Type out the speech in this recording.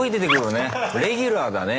レギュラーだね。